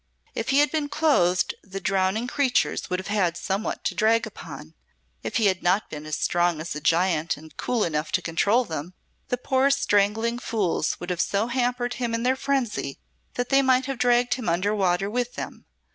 If he had been clothed the drowning creatures would have had somewhat to drag upon if he had not been as strong as a giant and cool enough to control them, the poor strangling fools would have so hampered him in their frenzy that they might have dragged him under water with them.